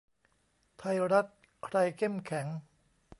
ไทยรัฐ ใครเข้มแข็ง